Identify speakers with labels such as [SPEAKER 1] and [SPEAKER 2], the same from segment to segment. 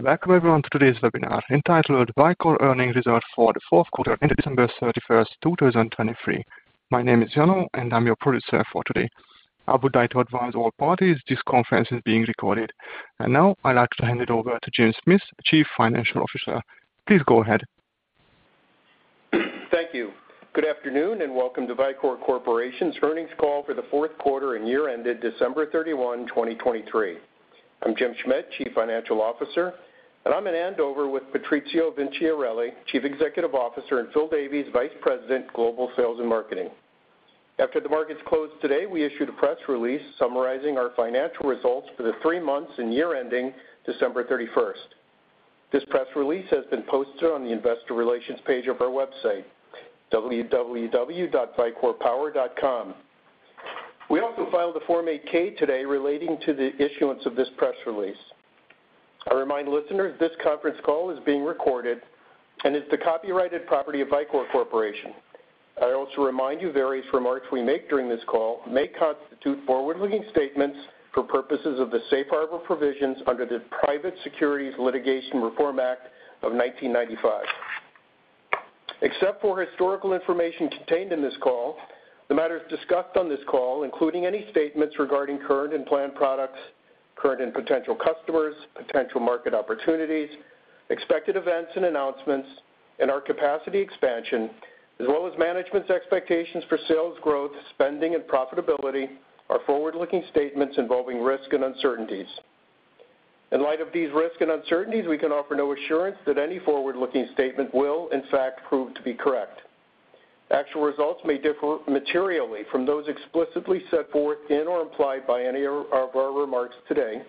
[SPEAKER 1] Welcome everyone to today's webinar entitled "Vicor Earnings Result for the Fourth Quarter" ending December 31st, 2023. My name is Jano, and I'm your producer for today. I would like to advise all parties this conference is being recorded. Now I'd like to hand it over to Jim Schmidt, Chief Financial Officer. Please go ahead.
[SPEAKER 2] Thank you. Good afternoon and welcome to Vicor Corporation's earnings call for the fourth quarter and year ended December 31, 2023. I'm Jim Schmidt, Chief Financial Officer, and I'm in Andover with Patrizio Vinciarelli, Chief Executive Officer, and Phil Davies, Vice President, Global Sales and Marketing. After the markets closed today, we issued a press release summarizing our financial results for the three months and year ending December 31. This press release has been posted on the Investor Relations page of our website, www.vicorpower.com. We also filed a Form 8-K today relating to the issuance of this press release. I remind listeners this conference call is being recorded and is the copyrighted property of Vicor Corporation. I also remind you various remarks we make during this call may constitute forward-looking statements for purposes of the Safe Harbor provisions under the Private Securities Litigation Reform Act of 1995. Except for historical information contained in this call, the matters discussed on this call, including any statements regarding current and planned products, current and potential customers, potential market opportunities, expected events and announcements, and our capacity expansion, as well as management's expectations for sales growth, spending, and profitability, are forward-looking statements involving risk and uncertainties. In light of these risk and uncertainties, we can offer no assurance that any forward-looking statement will, in fact, prove to be correct. Actual results may differ materially from those explicitly set forth in or implied by any of our remarks today.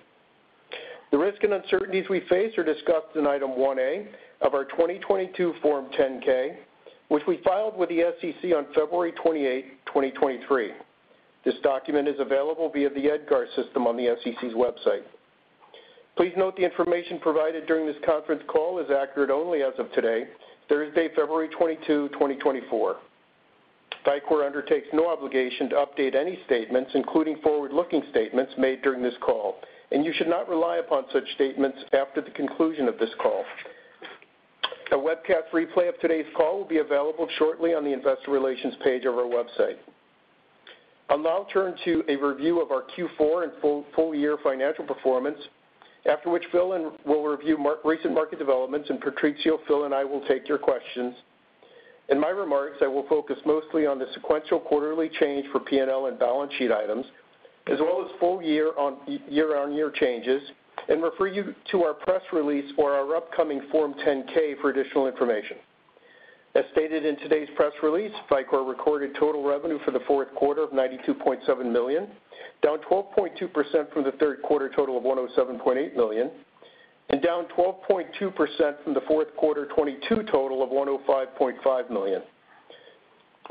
[SPEAKER 2] The risk and uncertainties we face are discussed in Item 1A of our 2022 Form 10-K, which we filed with the SEC on February 28, 2023. This document is available via the EDGAR system on the SEC's website. Please note the information provided during this conference call is accurate only as of today, Thursday, February 22, 2024. Vicor undertakes no obligation to update any statements, including forward-looking statements made during this call, and you should not rely upon such statements after the conclusion of this call. A webcast replay of today's call will be available shortly on the Investor Relations page of our website. I'll now turn to a review of our Q4 and full year financial performance, after which Phil will review recent market developments, and Patrizio, Phil, and I will take your questions. In my remarks, I will focus mostly on the sequential quarterly change for P&L and balance sheet items, as well as full year-over-year changes, and refer you to our press release or our upcoming Form 10-K for additional information. As stated in today's press release, Vicor recorded total revenue for the fourth quarter of $92.7 million, down 12.2% from the third quarter total of $107.8 million, and down 12.2% from the fourth quarter 2022 total of $105.5 million.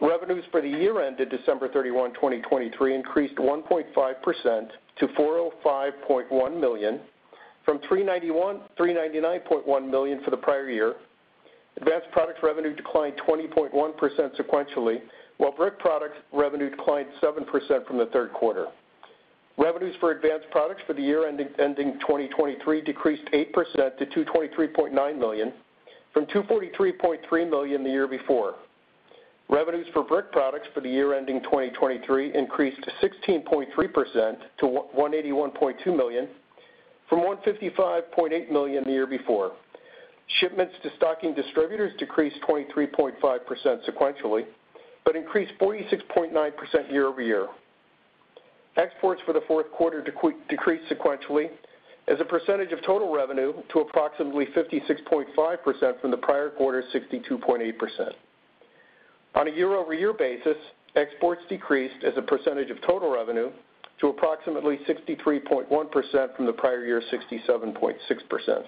[SPEAKER 2] Revenues for the year ended December 31, 2023, increased 1.5% to $405.1 million from $399.1 million for the prior year. Advanced Products revenue declined 20.1% sequentially, while Brick Products revenue declined 7% from the third quarter. Revenues for Advanced Products for the year ending 2023 decreased 8% to $223.9 million from $243.3 million the year before. Revenues for Brick Products for the year ending 2023 increased 16.3% to $181.2 million from $155.8 million the year before. Shipments to stocking distributors decreased 23.5% sequentially but increased 46.9% year-over-year. Exports for the fourth quarter decreased sequentially as a percentage of total revenue to approximately 56.5% from the prior quarter's 62.8%. On a year-over-year basis, exports decreased as a percentage of total revenue to approximately 63.1% from the prior year's 67.6%.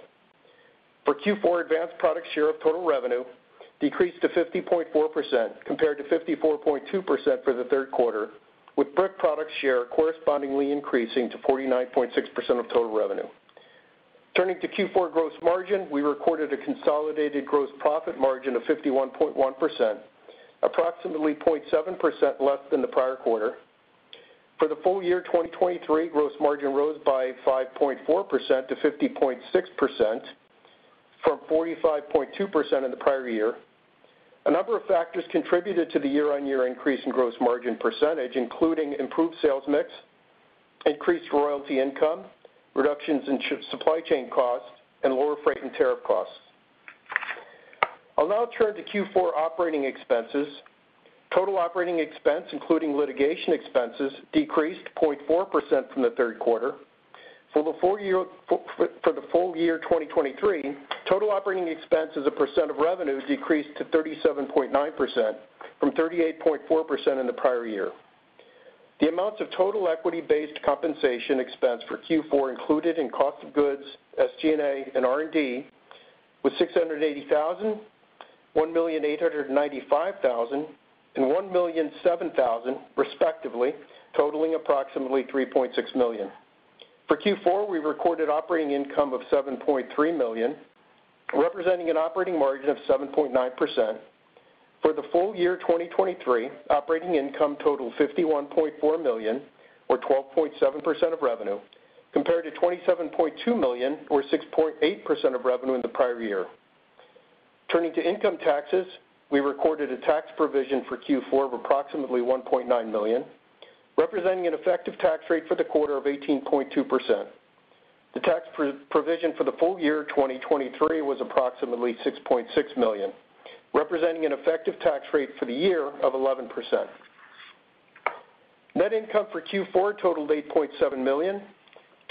[SPEAKER 2] For Q4, Advanced Products share of total revenue decreased to 50.4% compared to 54.2% for the third quarter, with Brick Products share correspondingly increasing to 49.6% of total revenue. Turning to Q4 gross margin, we recorded a consolidated gross profit margin of 51.1%, approximately 0.7% less than the prior quarter. For the full year 2023, gross margin rose by 5.4% to 50.6% from 45.2% in the prior year. A number of factors contributed to the year-over-year increase in gross margin percentage, including improved sales mix, increased royalty income, reductions in supply chain costs, and lower freight and tariff costs. I'll now turn to Q4 operating expenses. Total operating expense, including litigation expenses, decreased 0.4% from the third quarter. For the full year 2023, total operating expense as a percent of revenue decreased to 37.9% from 38.4% in the prior year. The amounts of total equity-based compensation expense for Q4 included in cost of goods, SG&A, and R&D were $680,000, $1,895,000, and $1,007,000, respectively, totaling approximately $3.6 million. For Q4, we recorded operating income of $7.3 million, representing an operating margin of 7.9%. For the full year 2023, operating income totaled $51.4 million, or 12.7% of revenue, compared to $27.2 million, or 6.8% of revenue in the prior year. Turning to income taxes, we recorded a tax provision for Q4 of approximately $1.9 million, representing an effective tax rate for the quarter of 18.2%. The tax provision for the full year 2023 was approximately $6.6 million, representing an effective tax rate for the year of 11%. Net income for Q4 totaled $8.7 million.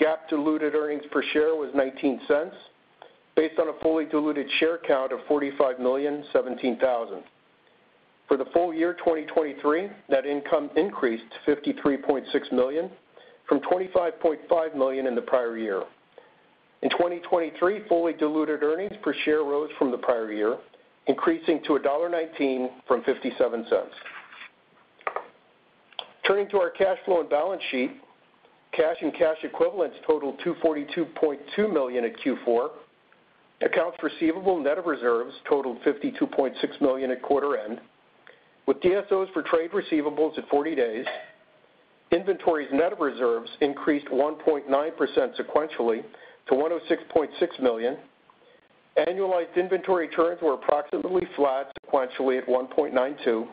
[SPEAKER 2] GAAP diluted earnings per share was $0.19, based on a fully diluted share count of 45,017,000. For the full year 2023, net income increased to $53.6 million from $25.5 million in the prior year. In 2023, fully diluted earnings per share rose from the prior year, increasing to $1.19 from $0.57. Turning to our cash flow and balance sheet, cash and cash equivalents totaled $242.2 million at Q4. Accounts receivable net of reserves totaled $52.6 million at quarter end, with DSOs for trade receivables at 40 days. Inventories net of reserves increased 1.9% sequentially to $106.6 million. Annualized inventory churns were approximately flat sequentially at 1.92.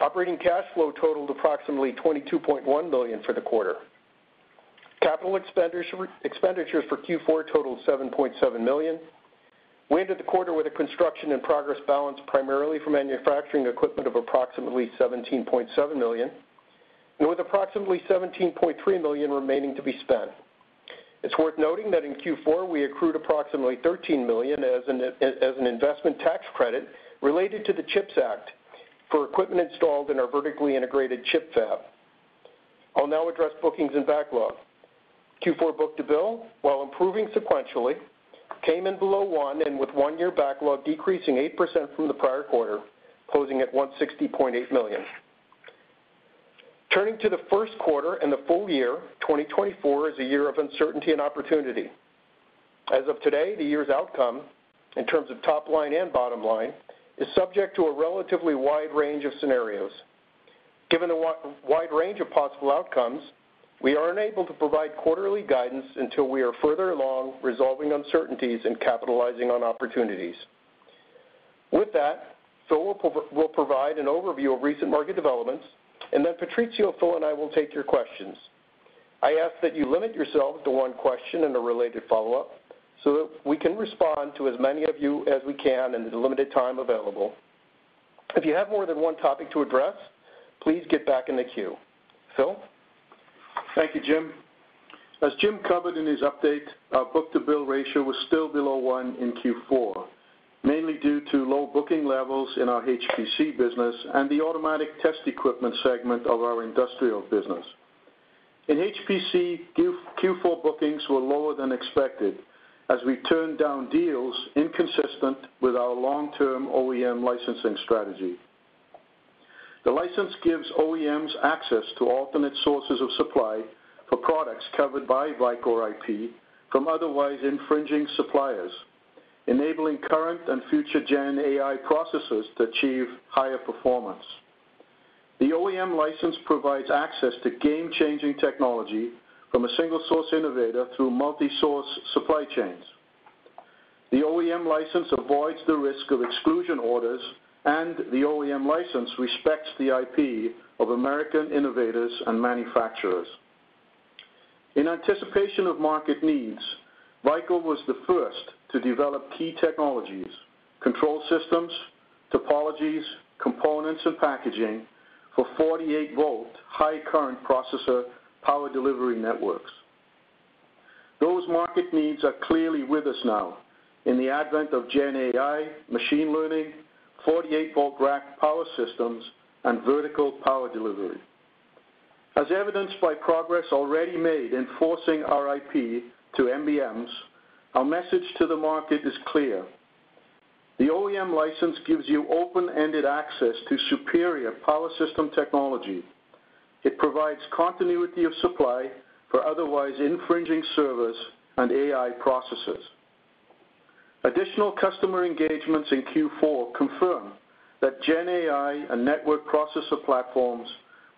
[SPEAKER 2] Operating cash flow totaled approximately $22.1 million for the quarter. Capital expenditures for Q4 totaled $7.7 million. We ended the quarter with a construction and progress balance primarily for manufacturing equipment of approximately $17.7 million, and with approximately $17.3 million remaining to be spent. It's worth noting that in Q4, we accrued approximately $13 million as an investment tax credit related to the CHIPS Act for equipment installed in our vertically integrated chip fab. I'll now address bookings and backlog. Q4 book-to-bill, while improving sequentially, came in below one and with one-year backlog decreasing 8% from the prior quarter, closing at $160.8 million. Turning to the first quarter and the full year, 2024 is a year of uncertainty and opportunity. As of today, the year's outcome, in terms of top line and bottom line, is subject to a relatively wide range of scenarios. Given the wide range of possible outcomes, we are unable to provide quarterly guidance until we are further along resolving uncertainties and capitalizing on opportunities. With that, Phil will provide an overview of recent market developments, and then Patrizio, Phil, and I will take your questions. I ask that you limit yourselves to one question and a related follow-up so that we can respond to as many of you as we can in the limited time available. If you have more than one topic to address, please get back in the queue. Phil?
[SPEAKER 3] Thank you, Jim. As Jim covered in his update, our book-to-bill ratio was still below one in Q4, mainly due to low booking levels in our HPC business and the automatic test equipment segment of our industrial business. In HPC, Q4 bookings were lower than expected as we turned down deals inconsistent with our long-term OEM licensing strategy. The license gives OEMs access to alternate sources of supply for products covered by Vicor IP from otherwise infringing suppliers, enabling current and future-gen AI processors to achieve higher performance. The OEM license provides access to game-changing technology from a single-source innovator through multi-source supply chains. The OEM license avoids the risk of exclusion orders, and the OEM license respects the IP of American innovators and manufacturers. In anticipation of market needs, Vicor was the first to develop key technologies, control systems, topologies, components, and packaging for 48-volt high-current processor power delivery networks. Those market needs are clearly with us now in the advent of Gen AI, machine learning, 48-volt rack power systems, and Vertical Power Delivery. As evidenced by progress already made enforcing our IP to MBMs, our message to the market is clear. The OEM license gives you open-ended access to superior power system technology. It provides continuity of supply for otherwise infringing servers and AI processes. Additional customer engagements in Q4 confirm that Gen AI and network processor platforms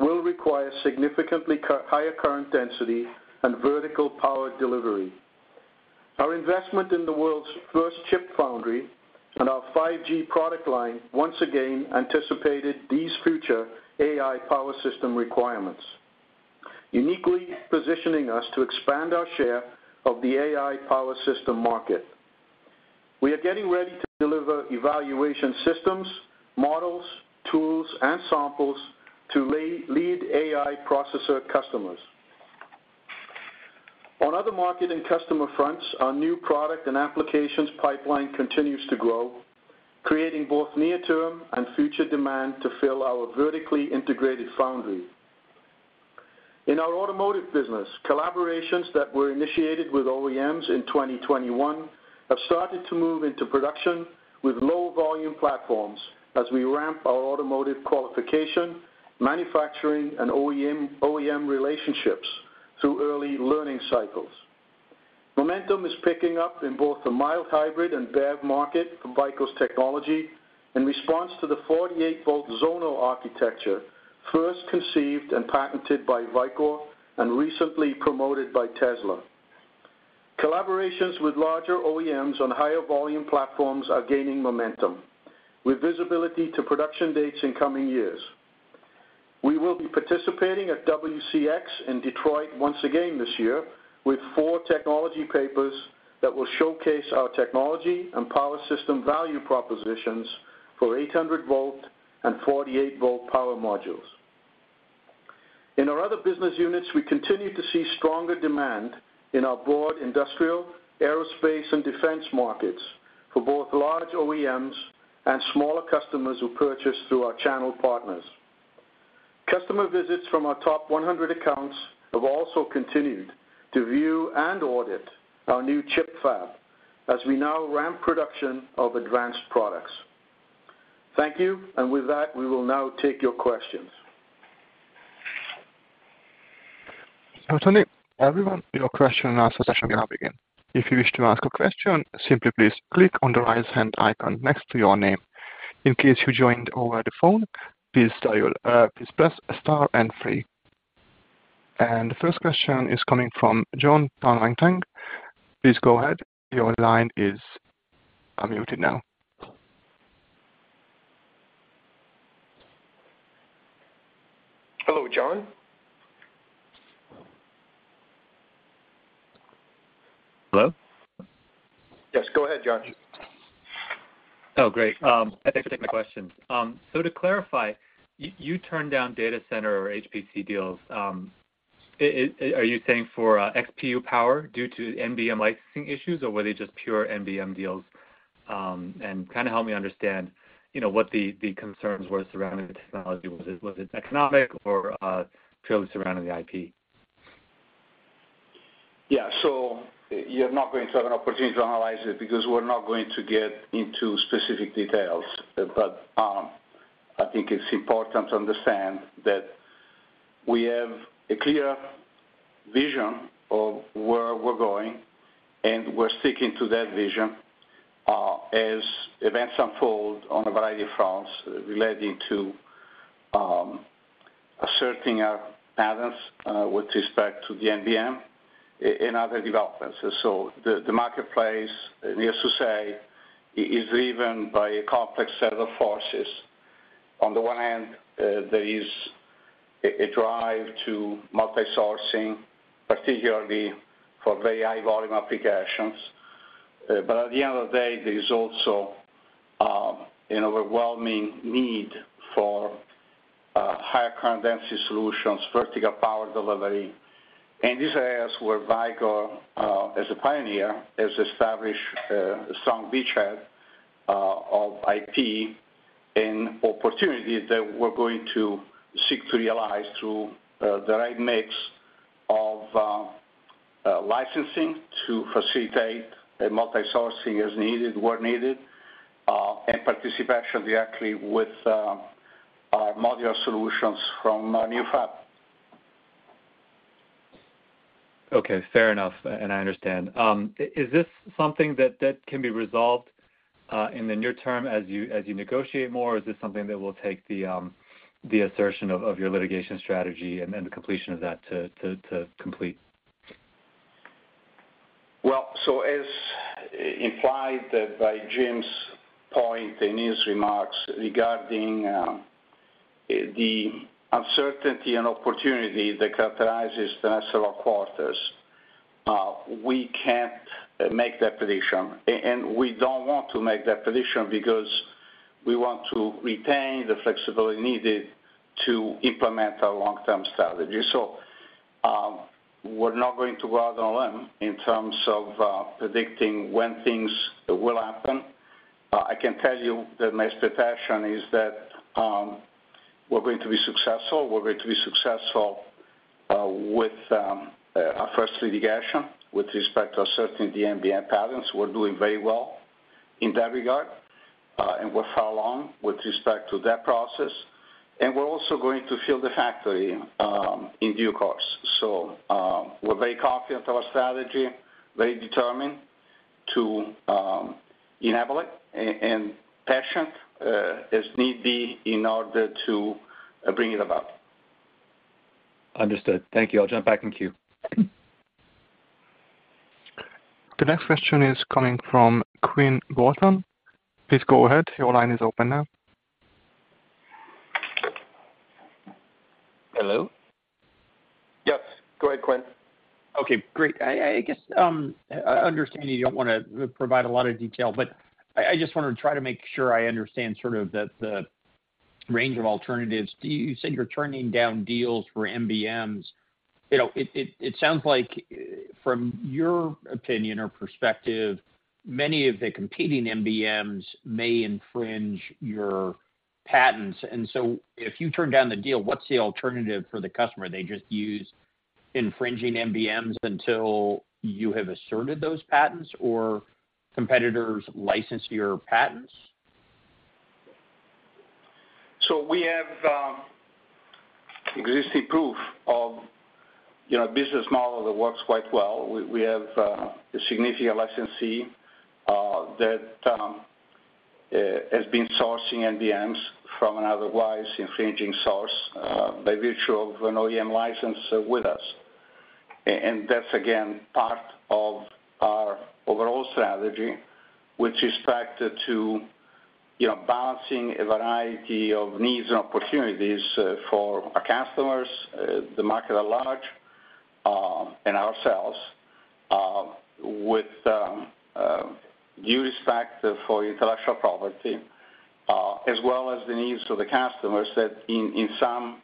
[SPEAKER 3] will require significantly higher current density and Vertical Power Delivery. Our investment in the world's first chip foundry and our 5G product line once again anticipated these future AI power system requirements, uniquely positioning us to expand our share of the AI power system market. We are getting ready to deliver evaluation systems, models, tools, and samples to lead AI processor customers. On other market and customer fronts, our new product and applications pipeline continues to grow, creating both near-term and future demand to fill our vertically integrated foundry. In our automotive business, collaborations that were initiated with OEMs in 2021 have started to move into production with low-volume platforms as we ramp our automotive qualification, manufacturing, and OEM relationships through early learning cycles. Momentum is picking up in both the mild hybrid and BEV market for Vicor's technology in response to the 48 V zonal architecture, first conceived and patented by Vicor and recently promoted by Tesla. Collaborations with larger OEMs on higher-volume platforms are gaining momentum with visibility to production dates in coming years. We will be participating at WCX in Detroit once again this year with four technology papers that will showcase our technology and power system value propositions for 800 V and 48 V power modules. In our other business units, we continue to see stronger demand in our broad industrial, aerospace, and defense markets for both large OEMs and smaller customers who purchase through our channel partners. Customer visits from our top 100 accounts have also continued to view and audit our new chip fab as we now ramp production of Advanced Products. Thank you, and with that, we will now take your questions.
[SPEAKER 1] So, Tony, our question and answer session will now begin. If you wish to ask a question, simply please click on the right-hand icon next to your name. In case you joined over the phone, please press star, then three. And the first question is coming from Jon Tanwanteng. Please go ahead. Your line is open now.
[SPEAKER 4] Hello, John.
[SPEAKER 5] Hello?
[SPEAKER 4] Yes, go ahead, John.
[SPEAKER 5] Oh, great. Thanks for taking my question. So to clarify, you turned down data center or HPC deals. Are you saying for XPU power due to NBM licensing issues, or were they just pure NBM deals? And kind of help me understand what the concerns were surrounding the technology. Was it economic or purely surrounding the IP?
[SPEAKER 4] Yeah. So you're not going to have an opportunity to analyze it because we're not going to get into specific details. But I think it's important to understand that we have a clear vision of where we're going, and we're sticking to that vision as events unfold on a variety of fronts relating to asserting our patents with respect to the MBM and other developments. So the marketplace, needless to say, is driven by a complex set of forces. On the one hand, there is a drive to multi-sourcing, particularly for very high-volume applications. But at the end of the day, there is also an overwhelming need for higher-current density solutions, Vertical Power Delivery. These areas where Vicor, as a pioneer, has established a strong beachhead of IP and opportunity that we're going to seek to realize through the right mix of licensing to facilitate multi-sourcing as needed, where needed, and participation directly with our modular solutions from our new fab.
[SPEAKER 5] Okay. Fair enough, and I understand. Is this something that can be resolved in the near term as you negotiate more, or is this something that will take the assertion of your litigation strategy and the completion of that to complete?
[SPEAKER 4] Well, so as implied by Jim's point in his remarks regarding the uncertainty and opportunity that characterizes the next several quarters, we can't make that prediction. We don't want to make that prediction because we want to retain the flexibility needed to implement our long-term strategy. We're not going to go out on a limb in terms of predicting when things will happen. I can tell you that my expectation is that we're going to be successful. We're going to be successful with our first litigation with respect to asserting the MBM patents. We're doing very well in that regard, and we're far along with respect to that process. We're also going to fill the factory in due course. We're very confident of our strategy, very determined to enable it, and patient as need be in order to bring it about.
[SPEAKER 5] Understood. Thank you. I'll jump back in queue.
[SPEAKER 1] The next question is coming from Quinn Bolton. Please go ahead. Your line is open now.
[SPEAKER 6] Hello?
[SPEAKER 4] Yes. Go ahead, Quinn.
[SPEAKER 6] Okay. Great. I guess I understand you don't want to provide a lot of detail, but I just want to try to make sure I understand sort of the range of alternatives. You said you're turning down deals for MBMs. It sounds like, from your opinion or perspective, many of the competing MBMs may infringe your patents. And so if you turn down the deal, what's the alternative for the customer? They just use infringing MBMs until you have asserted those patents, or competitors license your patents?
[SPEAKER 4] So we have existing proof of a business model that works quite well. We have a significant licensee that has been sourcing MBMs from an otherwise infringing source by virtue of an OEM license with us. And that's, again, part of our overall strategy with respect to balancing a variety of needs and opportunities for our customers, the market at large, and ourselves with due respect for intellectual property as well as the needs of the customers that, in some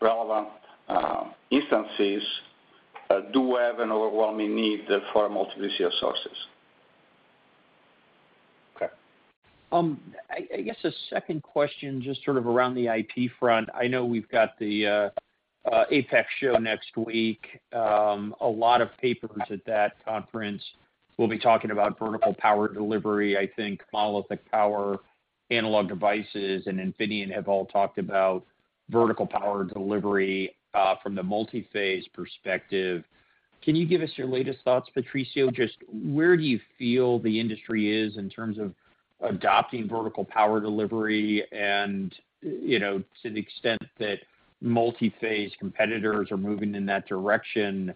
[SPEAKER 4] relevant instances, do have an overwhelming need for multiplicity of sources.
[SPEAKER 6] Okay. I guess a second question just sort of around the IP front. I know we've got the APEX show next week. A lot of papers at that conference will be talking about Vertical Power Delivery. I think Monolithic Power, Analog Devices, and NVIDIA have all talked about Vertical Power Delivery from the multi-phase perspective. Can you give us your latest thoughts, Patrizio? Just where do you feel the industry is in terms of adopting Vertical Power Delivery? And to the extent that multi-phase competitors are moving in that direction,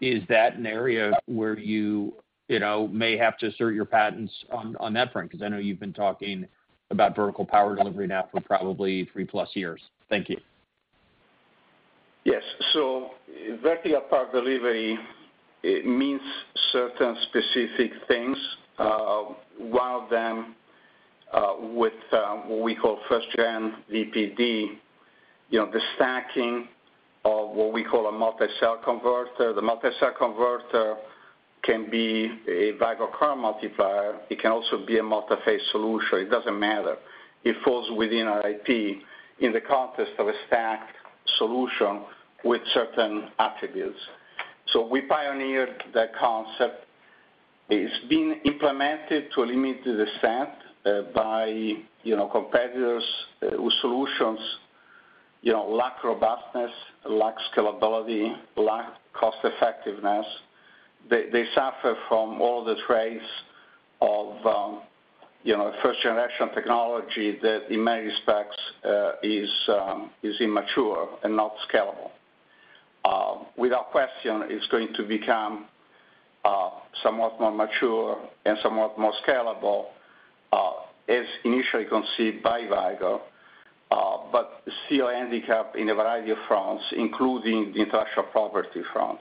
[SPEAKER 6] is that an area where you may have to assert your patents on that front? Because I know you've been talking about Vertical Power Delivery now for probably three plus years. Thank you.
[SPEAKER 4] Yes. So Vertical Power Delivery means certain specific things. One of them, with what we call first-gen VPD, the stacking of what we call a multi-cell converter. The multi-cell converter can be a Vicor current multiplier. It can also be a multi-phase solution. It doesn't matter. It falls within our IP in the context of a stacked solution with certain attributes. So we pioneered that concept. It's been implemented to a limited extent by competitors whose solutions lack robustness, lack scalability, lack cost-effectiveness. They suffer from all of the traits of a 1st generation technology that, in many respects, is immature and not scalable. Without question, it's going to become somewhat more mature and somewhat more scalable as initially conceived by Vicor, but still handicapped in a variety of fronts, including the intellectual property front.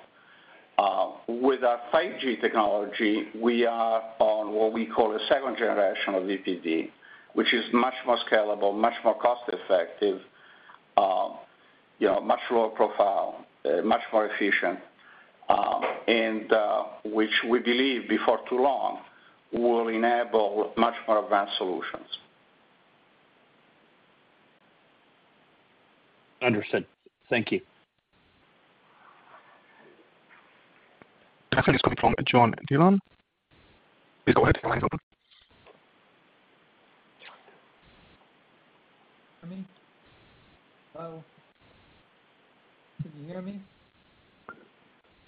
[SPEAKER 4] With our 5G technology, we are on what we call a 2nd generation of VPD, which is much more scalable, much more cost-effective, much lower profile, much more efficient, and which we believe before too long will enable much more advanced solutions.
[SPEAKER 6] Understood. Thank you.
[SPEAKER 1] The question is coming from John Dillon. Please go ahead. Your line is open.
[SPEAKER 7] Hello? Can you hear me?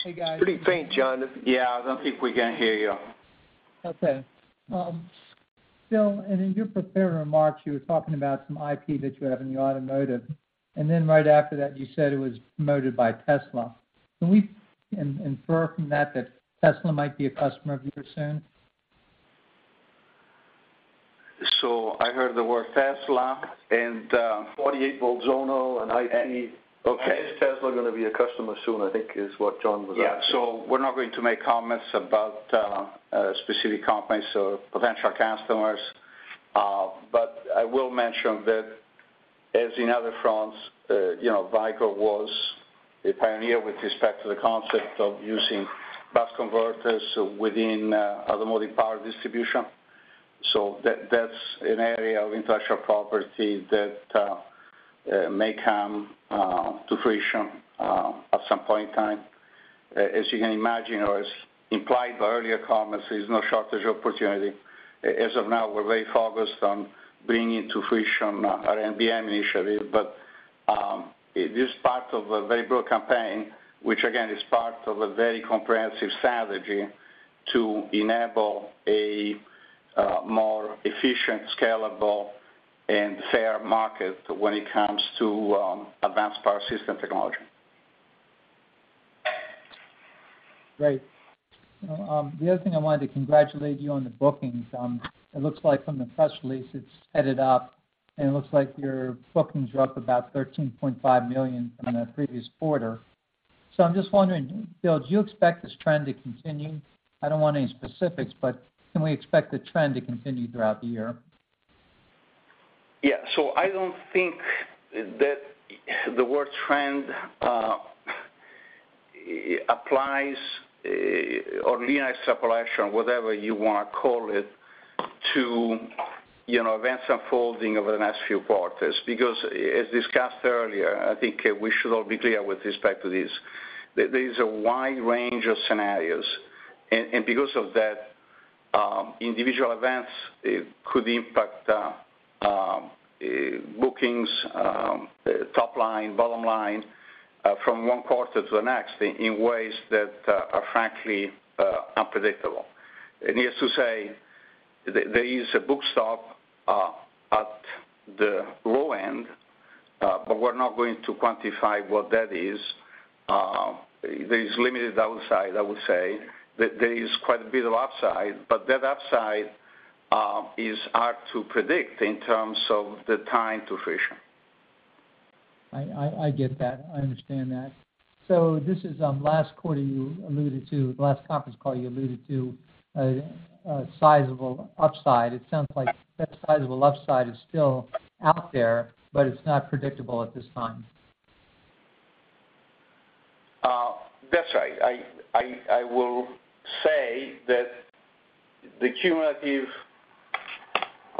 [SPEAKER 7] Hey, guys.
[SPEAKER 3] Pretty faint, John. Yeah. I don't think we can hear you.
[SPEAKER 7] Okay. Still, and in your prepared remarks, you were talking about some IP that you have in the automotive. And then right after that, you said it was promoted by Tesla. Can we infer from that that Tesla might be a customer of yours soon?
[SPEAKER 4] I heard the word Tesla and 48-volt zonal and IP.
[SPEAKER 7] Okay.
[SPEAKER 4] Is Tesla going to be a customer soon, I think, is what John was asking. Yeah. So we're not going to make comments about specific companies or potential customers. But I will mention that, as in other fronts, Vicor was a pioneer with respect to the concept of using bus converters within automotive power distribution. So that's an area of intellectual property that may come to friction at some point in time. As you can imagine or as implied by earlier comments, there is no shortage of opportunity. As of now, we're very focused on bringing to friction our MBM initiative. But this is part of a very broad campaign, which, again, is part of a very comprehensive strategy to enable a more efficient, scalable, and fair market when it comes to advanced power system technology.
[SPEAKER 7] Great. The other thing I wanted to congratulate you on the bookings. It looks like from the press release, it's headed up, and it looks like your bookings are up about $13.5 million from the previous quarter. So I'm just wondering, Phil, do you expect this trend to continue? I don't want any specifics, but can we expect the trend to continue throughout the year?
[SPEAKER 4] Yeah. So I don't think that the word trend applies or linear extrapolation, whatever you want to call it, to events unfolding over the next few quarters. Because as discussed earlier, I think we should all be clear with respect to this. There is a wide range of scenarios. And because of that, individual events could impact bookings, top line, bottom line, from one quarter to the next in ways that are, frankly, unpredictable. Needless to say, there is a backstop at the low end, but we're not going to quantify what that is. There is limited downside, I would say. There is quite a bit of upside, but that upside is hard to predict in terms of the time to fruition.
[SPEAKER 7] I get that. I understand that. So this is last quarter you alluded to, last conference call you alluded to, sizable upside. It sounds like that sizable upside is still out there, but it's not predictable at this time.
[SPEAKER 4] That's right. I will say that the cumulative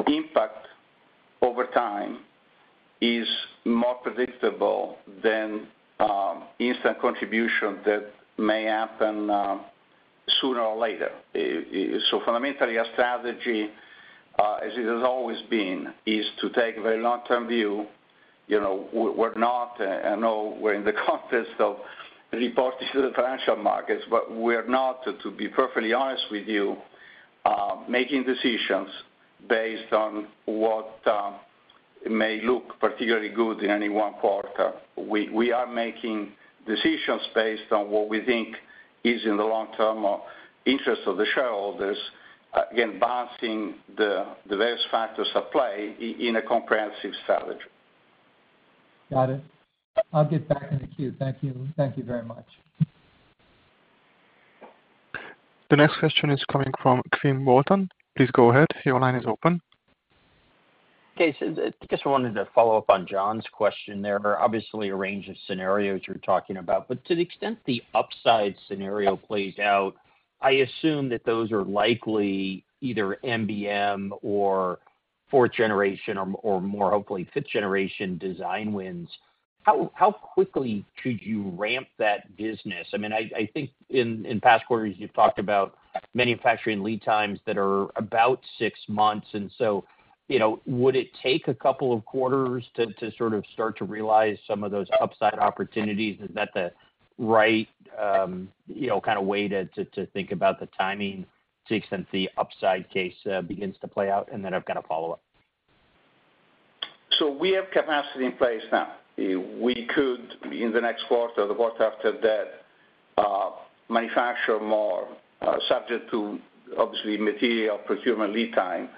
[SPEAKER 4] impact over time is more predictable than instant contribution that may happen sooner or later. So fundamentally, our strategy, as it has always been, is to take a very long-term view. We're not, I know, we're in the context of reporting to the financial markets, but we are not, to be perfectly honest with you, making decisions based on what may look particularly good in any one quarter. We are making decisions based on what we think is in the long-term interest of the shareholders, again, balancing the various factors at play in a comprehensive strategy.
[SPEAKER 7] Got it. I'll get back in the queue. Thank you. Thank you very much.
[SPEAKER 1] The next question is coming from Quinn Bolton. Please go ahead. Your line is open.
[SPEAKER 6] Okay. So I just wanted to follow up on John's question there. Obviously, a range of scenarios you're talking about. But to the extent the upside scenario plays out, I assume that those are likely either MBM or 4th generation or more, hopefully, 5th generation design wins. How quickly could you ramp that business? I mean, I think in past quarters, you've talked about manufacturing lead times that are about six months. And so would it take a couple of quarters to sort of start to realize some of those upside opportunities? Is that the right kind of way to think about the timing to the extent the upside case begins to play out? And then I've got to follow up.
[SPEAKER 4] We have capacity in place now. We could, in the next quarter or the quarter after that, manufacture more subject to, obviously, material procurement lead time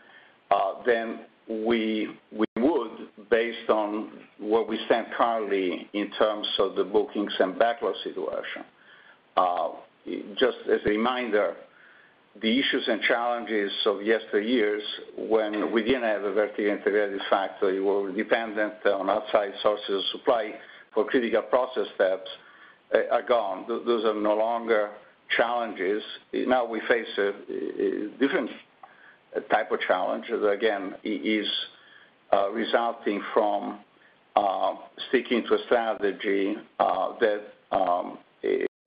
[SPEAKER 4] than we would based on where we stand currently in terms of the bookings and backlog situation. Just as a reminder, the issues and challenges of yesteryears, when we didn't have a vertically integrated factory, we were dependent on outside sources of supply for critical process steps, are gone. Those are no longer challenges. Now we face a different type of challenge that, again, is resulting from sticking to a strategy that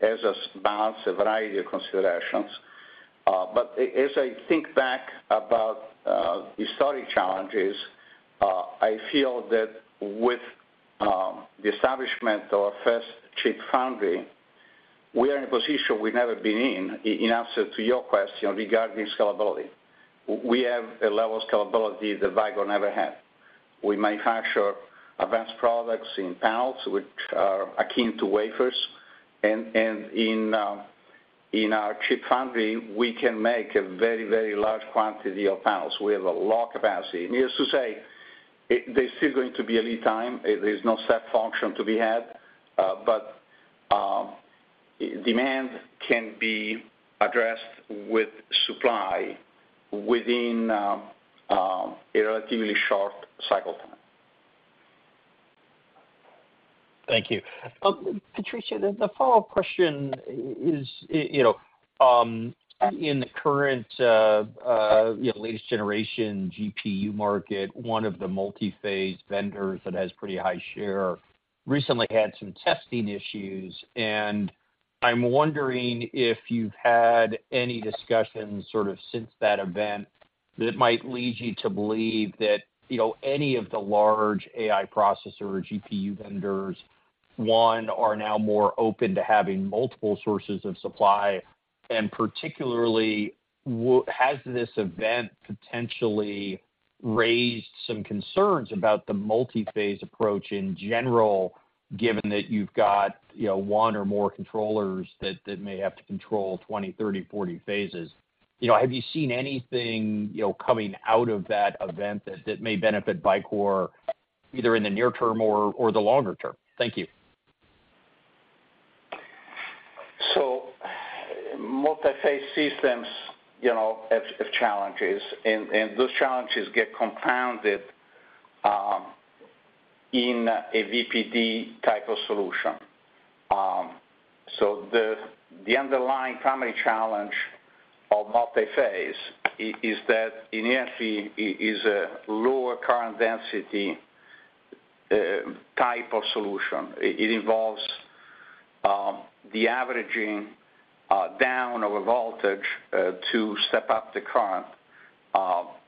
[SPEAKER 4] has us balance a variety of considerations. As I think back about historic challenges, I feel that with the establishment of our first chip foundry, we are in a position we've never been in. In answer to your question regarding scalability. We have a level of scalability that Vicor never had. We manufacture Advanced Products in panels, which are akin to wafers. In our chip foundry, we can make a very, very large quantity of panels. We have a lot of capacity. Needless to say, there's still going to be a lead time. There's no step function to be had. But demand can be addressed with supply within a relatively short cycle time.
[SPEAKER 6] Thank you. Patrizio, the follow-up question is, in the current latest generation GPU market, one of the multi-phase vendors that has pretty high share recently had some testing issues. And I'm wondering if you've had any discussions sort of since that event that might lead you to believe that any of the large AI processor or GPU vendors, one, are now more open to having multiple sources of supply? And particularly, has this event potentially raised some concerns about the multi-phase approach in general, given that you've got one or more controllers that may have to control 20, 30, 40 phases? Have you seen anything coming out of that event that may benefit Vicor either in the near term or the longer term? Thank you.
[SPEAKER 4] Multi-phase systems have challenges. Those challenges get compounded in a VPD type of solution. The underlying primary challenge of multi-phase is that, inherently, it is a lower current density type of solution. It involves the averaging down of a voltage to step up the current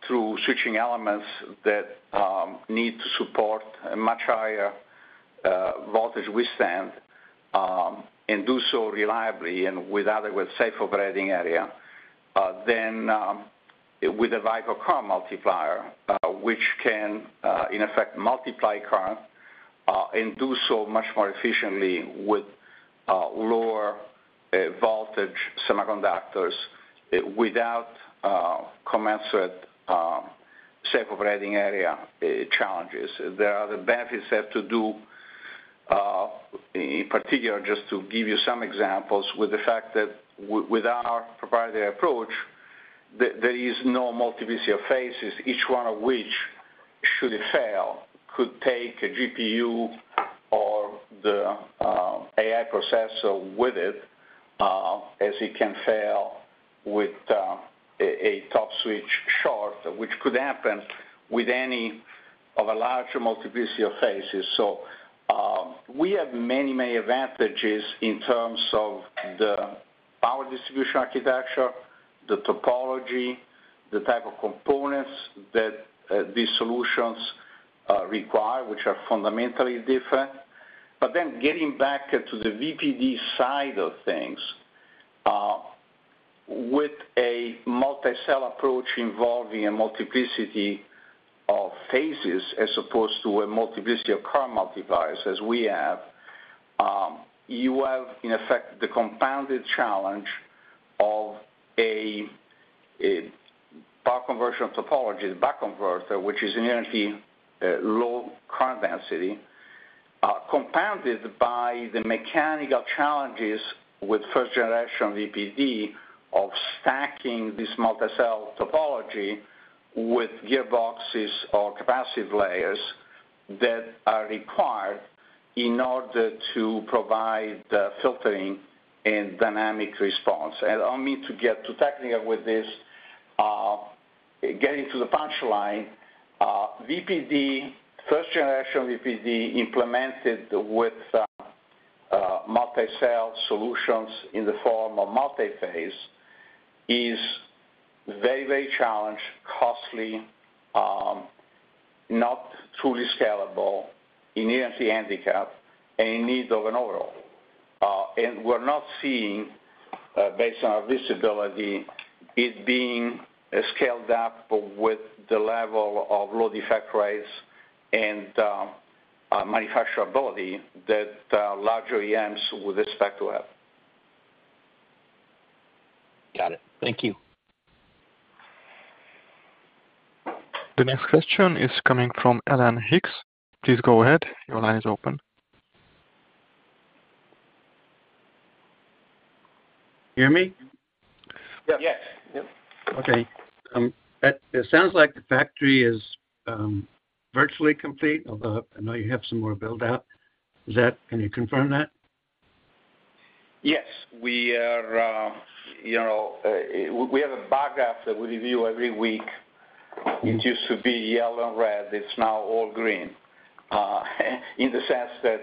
[SPEAKER 4] through switching elements that need to support a much higher voltage withstand and do so reliably and with otherwise safe operating area than with a Vicor current multiplier, which can, in effect, multiply current and do so much more efficiently with lower voltage semiconductors without commensurate safe operating area challenges. There are other benefits that have to do, in particular, just to give you some examples, with the fact that, with our proprietary approach, there is no multiplicity of phases, each one of which, should it fail, could take a GPU or the AI processor with it, as it can fail with a top switch short, which could happen with any of a larger multiplicity of phases. So we have many, many advantages in terms of the power distribution architecture, the topology, the type of components that these solutions require, which are fundamentally different. But then getting back to the VPD side of things, with a multi-cell approach involving a multiplicity of phases as opposed to a multiplicity of current multipliers as we have, you have, in effect, the compounded challenge of a power conversion topology, the buck converter, which is inherently low current density, compounded by the mechanical challenges with 1st generation VPD of stacking this multi-cell topology with gearboxes or capacitive layers that are required in order to provide filtering and dynamic response. And not to get too technical with this, getting to the punchline, 1st generation VPD implemented with multi-cell solutions in the form of multi-phase is very, very challenged, costly, not truly scalable, inherently handicapped, and in need of an overhaul. And we're not seeing, based on our visibility, it being scaled up with the level of low defect rates and manufacturability that larger OEMs would expect to have.
[SPEAKER 6] Got it. Thank you.
[SPEAKER 1] The next question is coming from Alan Hicks. Please go ahead. Your line is open.
[SPEAKER 8] Can you hear me?
[SPEAKER 2] Yes.
[SPEAKER 8] Yes.
[SPEAKER 3] Yep.
[SPEAKER 8] Okay. It sounds like the factory is virtually complete, although I know you have some more build-out. Can you confirm that?
[SPEAKER 4] Yes. We have a bar graph that we review every week. It used to be yellow and red. It's now all green in the sense that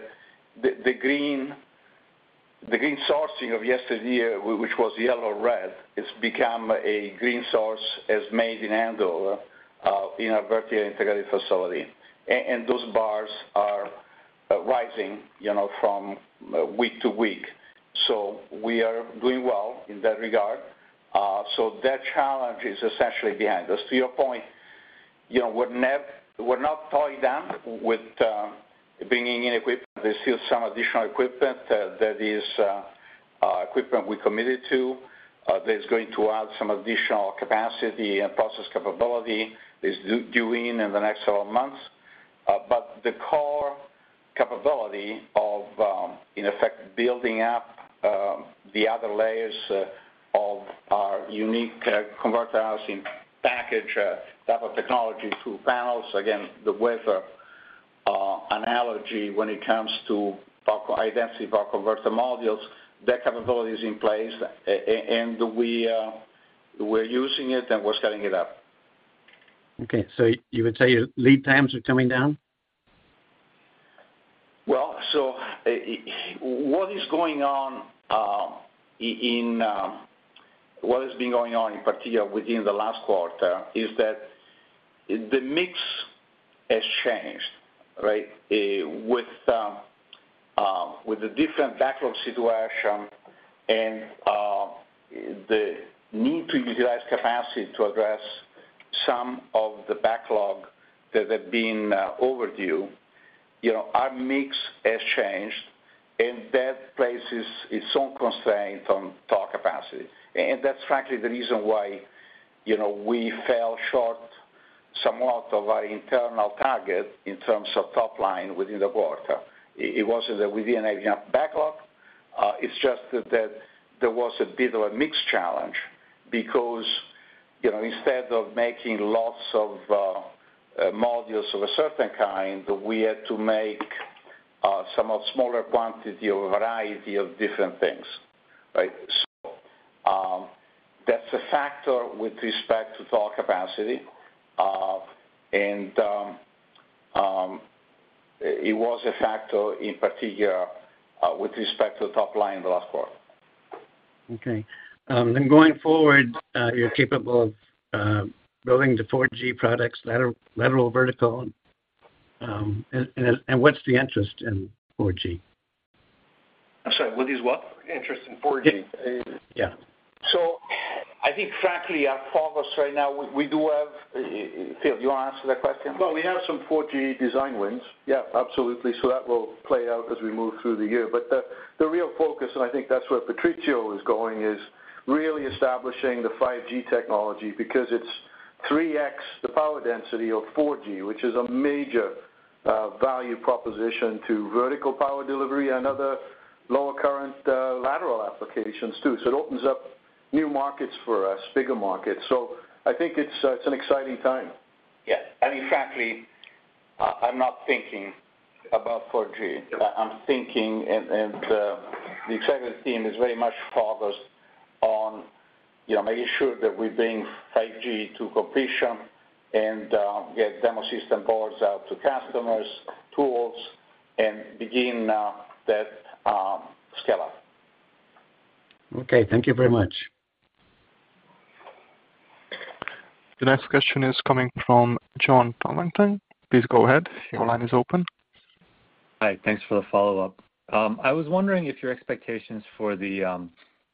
[SPEAKER 4] the green sourcing of yesteryear, which was yellow and red, has become a green source as made in Andover in our vertically integrated facility. And those bars are rising from week to week. So we are doing well in that regard. So that challenge is essentially behind us. To your point, we're not tied down with bringing in equipment. There's still some additional equipment that is equipment we committed to that is going to add some additional capacity and process capability. It's due in the next several months. The core capability of, in effect, building up the other layers of our unique converter housed in package type of technology through panels, again, the wafer analogy when it comes to high-density power converter modules, that capability is in place. We're using it and we're scaling it up.
[SPEAKER 8] Okay. So you would say your lead times are coming down?
[SPEAKER 4] Well, so what is going on in what has been going on, in particular, within the last quarter is that the mix has changed, right, with the different backlog situation and the need to utilize capacity to address some of the backlog that had been overdue. Our mix has changed, and that places its own constraint on top capacity. And that's, frankly, the reason why we fell short somewhat of our internal target in terms of top line within the quarter. It wasn't that we didn't have enough backlog. It's just that there was a bit of a mixed challenge because, instead of making lots of modules of a certain kind, we had to make some smaller quantity of a variety of different things, right? So that's a factor with respect to top capacity. And it was a factor, in particular, with respect to top line in the last quarter.
[SPEAKER 8] Okay. Then going forward, you're capable of building to 4G products, lateral, vertical. What's the interest in 4G?
[SPEAKER 4] I'm sorry. What is what? Interest in 4G?
[SPEAKER 8] Yeah.
[SPEAKER 4] So I think, frankly, our focus right now. We do have Phil. Do you want to answer that question? Well, we have some 4G design wins. Yeah, absolutely. So that will play out as we move through the year. But the real focus, and I think that's where Patrizio is going, is really establishing the 5G technology because it's 3X the power density of 4G, which is a major value proposition to vertical power delivery and other lower current lateral applications too. So it opens up new markets for us, bigger markets. So I think it's an exciting time.
[SPEAKER 3] Yeah. I mean, frankly, I'm not thinking about 4G. The executive team is very much focused on making sure that we're bringing 5G to completion and get demo system boards out to customers, tools, and begin that scale-up.
[SPEAKER 8] Okay. Thank you very much.
[SPEAKER 1] The next question is coming from John Tanwanteng. Please go ahead. Your line is open.
[SPEAKER 5] Hi. Thanks for the follow-up. I was wondering if your expectations for the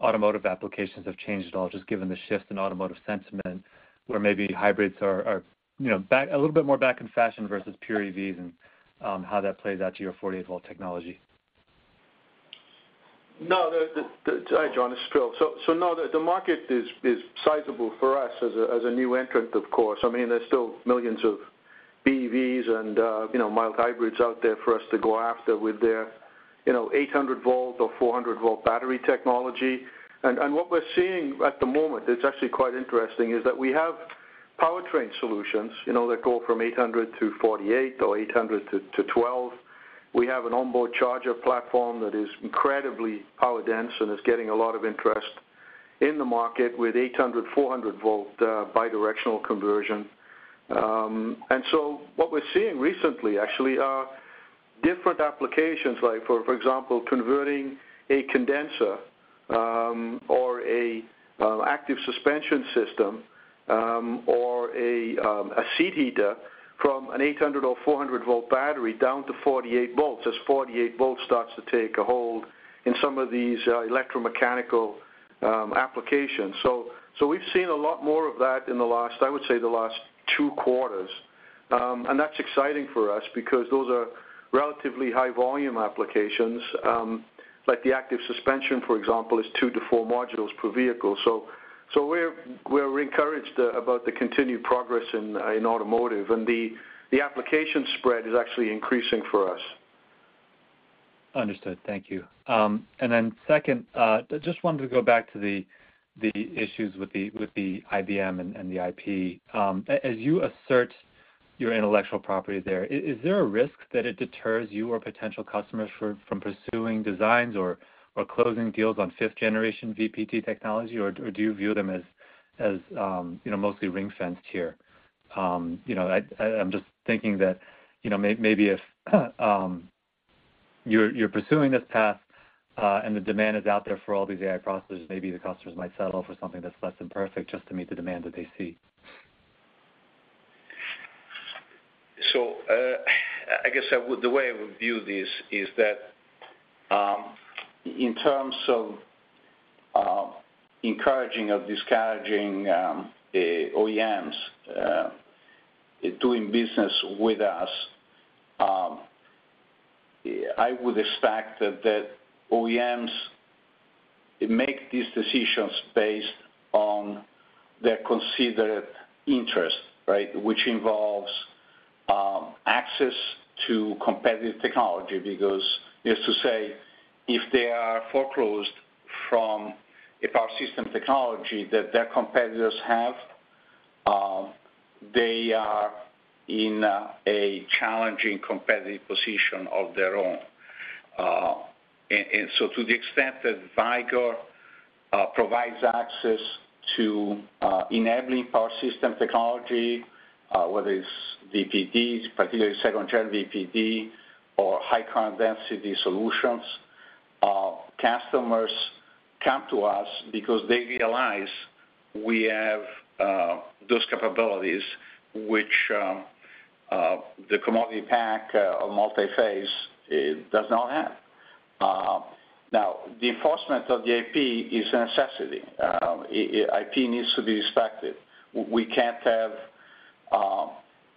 [SPEAKER 5] automotive applications have changed at all, just given the shift in automotive sentiment where maybe hybrids are a little bit more back in fashion versus pure EVs and how that plays out to your 48-volt technology?
[SPEAKER 3] No. Hi, John. It's Phil. So no, the market is sizable for us as a new entrant, of course. I mean, there's still millions of BEVs and mild hybrids out there for us to go after with their 800 V or 40 Vbattery technology. And what we're seeing at the moment, it's actually quite interesting, is that we have powertrain solutions that go from 800 to 48 or 800 to 12. We have an onboard charger platform that is incredibly power-dense and is getting a lot of interest in the market with 800, 400 V bidirectional conversion. And so what we're seeing recently, actually, are different applications, for example, converting a condenser or an active suspension system or a seat heater from an 800 or 400 V battery down to 48 V as 48 V starts to take a hold in some of these electromechanical applications. So we've seen a lot more of that in the last, I would say, the last two quarters. And that's exciting for us because those are relatively high-volume applications. The active suspension, for example, is two to four modules per vehicle. So we're encouraged about the continued progress in automotive. And the application spread is actually increasing for us.
[SPEAKER 5] Understood. Thank you. And then second, just wanted to go back to the issues with the NBM and the IP. As you assert your intellectual property there, is there a risk that it deters you or potential customers from pursuing designs or closing deals on 5th generation VPT technology? Or do you view them as mostly ring-fenced here? I'm just thinking that maybe if you're pursuing this path and the demand is out there for all these AI processors, maybe the customers might settle for something that's less than perfect just to meet the demand that they see.
[SPEAKER 4] So I guess the way I would view this is that, in terms of encouraging or discouraging OEMs doing business with us, I would expect that OEMs make these decisions based on their considered interest, right, which involves access to competitive technology. Because, as you say, if they are foreclosed from a power system technology that their competitors have, they are in a challenging competitive position of their own. And so, to the extent that Vicor provides access to enabling power system technology, whether it's VPDs, particularly second-gen VPD, or high-current density solutions, customers come to us because they realize we have those capabilities which the commodity pack of multiphase does not have. Now, the enforcement of the IP is a necessity. IP needs to be respected. We can't have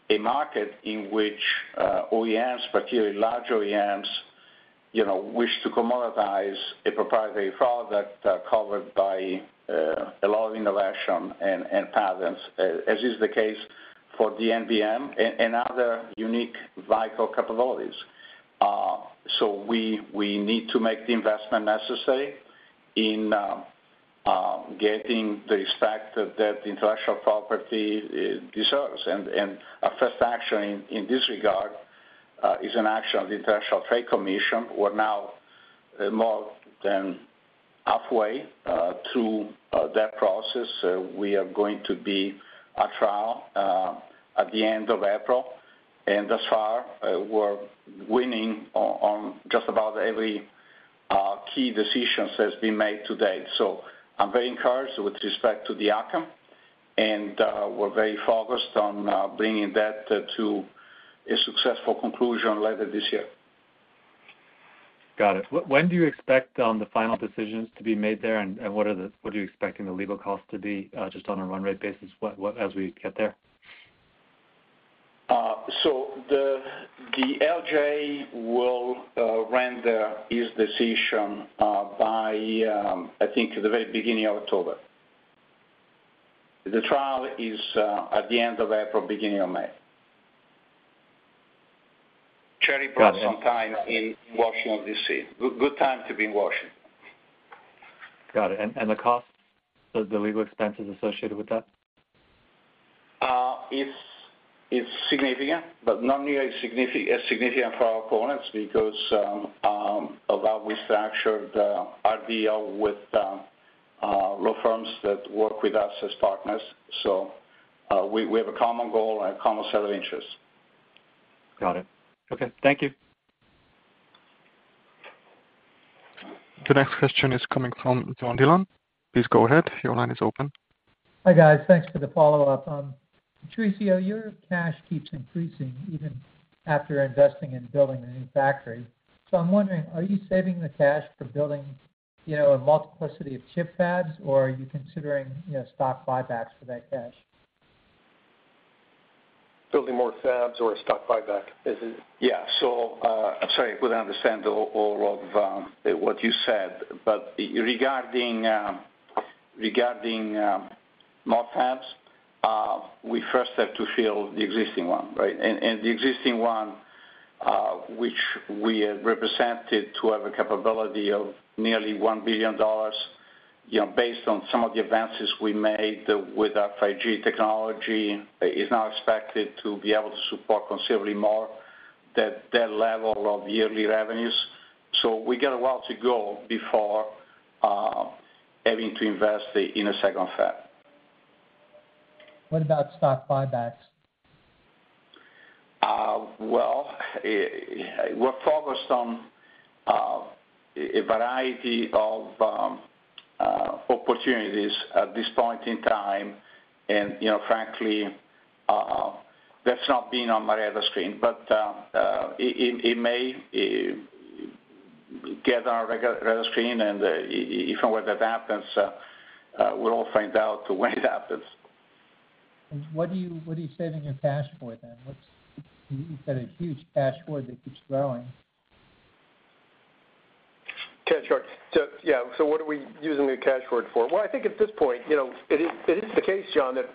[SPEAKER 4] a market in which OEMs, particularly large OEMs, wish to commoditize a proprietary product covered by a lot of innovation and patents, as is the case for the NBM and other unique Vicor capabilities. So we need to make the investment necessary in getting the respect that the intellectual property deserves. Our first action in this regard is an action of the International Trade Commission. We're now more than halfway through that process. We are going to be at trial at the end of April. And thus far, we're winning on just about every key decision that's been made to date. So I'm very encouraged with respect to the outcome. And we're very focused on bringing that to a successful conclusion later this year.
[SPEAKER 5] Got it. When do you expect the final decisions to be made there? And what are you expecting the legal cost to be just on a run-rate basis as we get there?
[SPEAKER 4] The LJ will render its decision by, I think, the very beginning of October. The trial is at the end of April, beginning of May. Cherry blossom time in Washington, D.C. Good time to be in Washington.
[SPEAKER 5] Got it. The legal expenses associated with that?
[SPEAKER 4] It's significant, but not nearly as significant for our opponents because of how we structured our deal with law firms that work with us as partners. We have a common goal and a common set of interests.
[SPEAKER 5] Got it. Okay. Thank you.
[SPEAKER 1] The next question is coming from John Dillon. Please go ahead. Your line is open.
[SPEAKER 7] Hi, guys. Thanks for the follow-up. Patrizio, your cash keeps increasing even after investing in building a new factory. So I'm wondering, are you saving the cash for building a multiplicity of chip fabs, or are you considering stock buybacks for that cash?
[SPEAKER 4] Building more fabs or a stock buyback? Yeah. So I'm sorry. I couldn't understand all of what you said. But regarding more fabs, we first have to fill the existing one, right? And the existing one, which we represented to have a capability of nearly $1 billion based on some of the advances we made with our 5G technology, is now expected to be able to support considerably more than that level of yearly revenues. So we got a while to go before having to invest in a second fab.
[SPEAKER 7] What about stock buybacks?
[SPEAKER 2] Well, we're focused on a variety of opportunities at this point in time. Frankly, that's not been on my radar screen. It may get on our radar screen. If and when that happens, we'll all find out when it happens.
[SPEAKER 7] What are you saving your cash for then? You said a huge cash hoard that keeps growing.
[SPEAKER 2] Cash forward. Yeah. So what are we using the cash forward for? Well, I think at this point, it is the case, John, that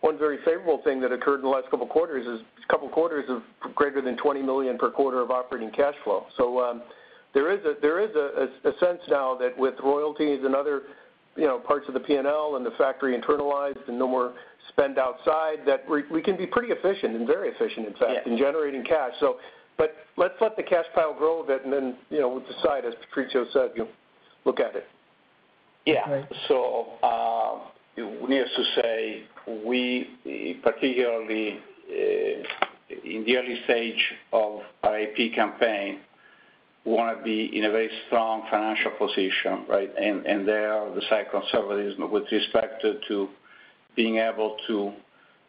[SPEAKER 2] one very favorable thing that occurred in the last couple of quarters is a couple of quarters of greater than $20 million per quarter of operating cash flow. So there is a sense now that with royalties and other parts of the P&L and the factory internalized and no more spend outside, that we can be pretty efficient and very efficient, in fact, in generating cash. But let's let the cash pile grow a bit. And then we'll decide, as Patrizio said, we'll look at it.
[SPEAKER 4] Yeah. So we need to say, particularly in the early stage of our IP campaign, we want to be in a very strong financial position, right? And there is the fiscal conservatism with respect to being able to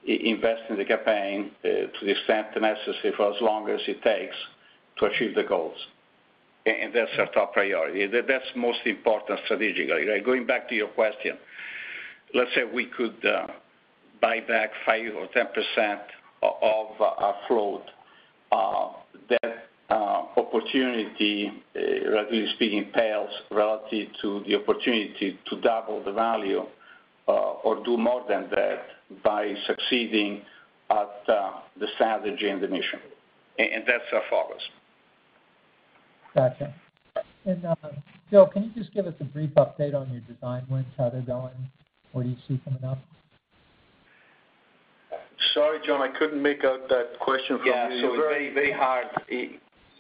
[SPEAKER 4] invest in the campaign to the extent necessary for as long as it takes to achieve the goals. And that's our top priority. That's most important strategically, right? Going back to your question, let's say we could buy back 5% or 10% of our float. That opportunity, relatively speaking, pales relative to the opportunity to double the value or do more than that by succeeding at the strategy and the mission. And that's our focus.
[SPEAKER 7] Gotcha. And Phil, can you just give us a brief update on your design wins, how they're going? What do you see coming up?
[SPEAKER 3] Sorry, John. I couldn't make out that question from you. So very.
[SPEAKER 2] Yeah. It's very, very hard.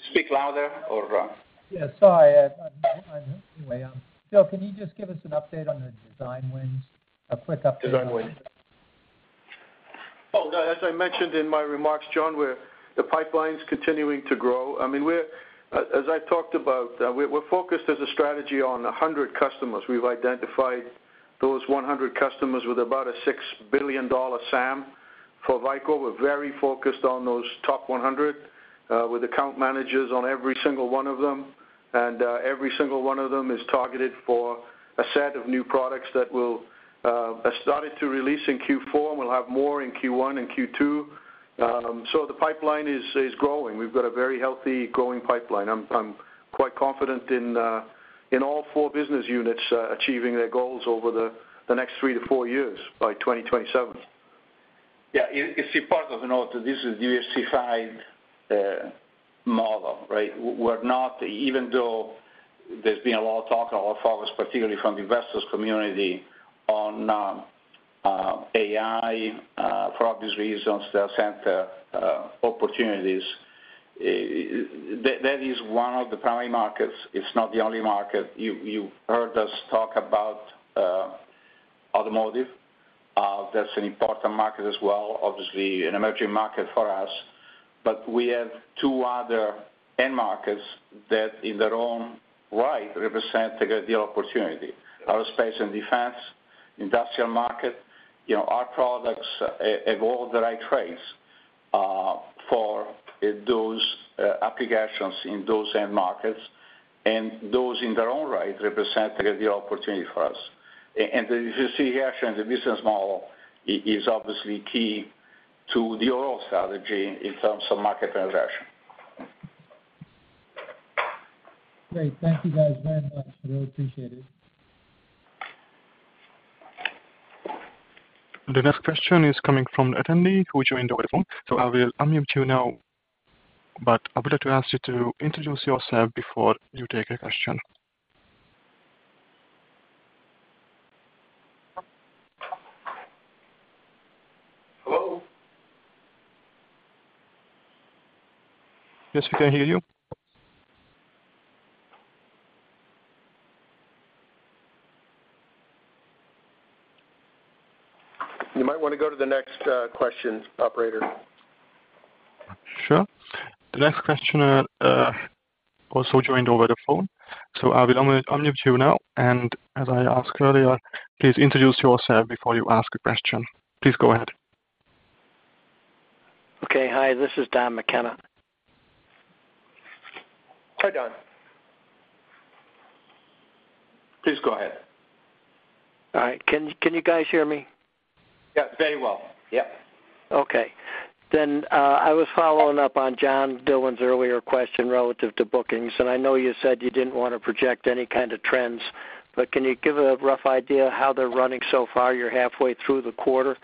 [SPEAKER 2] Speak louder or.
[SPEAKER 7] Yeah. Sorry. Anyway, Phil, can you just give us an update on the design wins, a quick update?
[SPEAKER 3] Design wins. Oh, no. As I mentioned in my remarks, John, the pipeline's continuing to grow. I mean, as I talked about, we're focused as a strategy on 100 customers. We've identified those 100 customers with about a $6 billion SAM for Vicor. We're very focused on those top 100 with account managers on every single one of them. And every single one of them is targeted for a set of new products that will have started to release in Q4 and will have more in Q1 and Q2. So the pipeline is growing. We've got a very healthy, growing pipeline. I'm quite confident in all four business units achieving their goals over the next three to four years by 2027.
[SPEAKER 4] Yeah. It's a part of this is a diversified model, right? Even though there's been a lot of talk and a lot of focus, particularly from the investors' community on AI, for obvious reasons, they'll send opportunities. That is one of the primary markets. It's not the only market. You heard us talk about automotive. That's an important market as well, obviously an emerging market for us. But we have two other end markets that, in their own right, represent a great deal of opportunity: aerospace and defense, industrial market. Our products evolve the right traits for those applications in those end markets. And those, in their own right, represent a great deal of opportunity for us. And the diversification in the business model is obviously key to the overall strategy in terms of market penetration.
[SPEAKER 7] Great. Thank you, guys, very much. I really appreciate it.
[SPEAKER 1] The next question is coming from an attendee who joined the webinar. I'll mute you now. But I would like to ask you to introduce yourself before you take a question. Hello? Yes. We can hear you.
[SPEAKER 2] You might want to go to the next question, operator.
[SPEAKER 1] Sure. The next questioner also joined over the phone. I will unmute you now. As I asked earlier, please introduce yourself before you ask a question. Please go ahead.
[SPEAKER 9] Okay. Hi. This is Don McKenna.
[SPEAKER 2] Hi, Don. Please go ahead.
[SPEAKER 9] All right. Can you guys hear me?
[SPEAKER 2] Yeah. Very well. Yep.
[SPEAKER 9] Okay. Then I was following up on John Dillon's earlier question relative to bookings. And I know you said you didn't want to project any kind of trends. But can you give a rough idea how they're running so far, you're halfway through the quarter,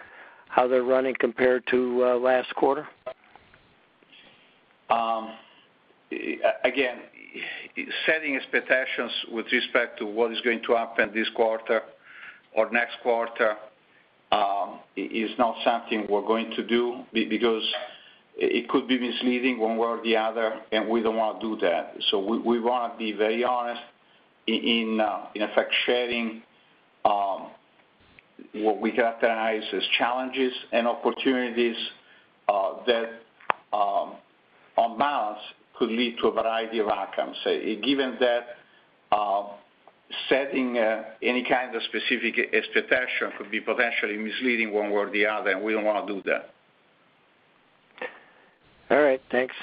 [SPEAKER 9] how they're running compared to last quarter?
[SPEAKER 4] Again, setting expectations with respect to what is going to happen this quarter or next quarter is not something we're going to do because it could be misleading one way or the other. We don't want to do that. We want to be very honest in, in effect, sharing what we characterize as challenges and opportunities that, on balance, could lead to a variety of outcomes. Given that, setting any kind of specific expectation could be potentially misleading one way or the other. We don't want to do that.
[SPEAKER 9] All right. Thanks.